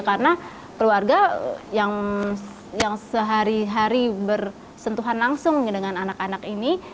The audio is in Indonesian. karena keluarga yang sehari hari bersentuhan langsung dengan anak anak ini